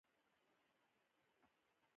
لویه خدایه ولې موټی